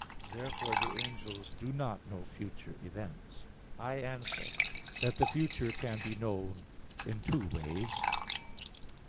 Therefore the angels do not know future events. I answer that, The future can be known in two ways.